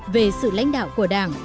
về sự lãnh đạo của đảng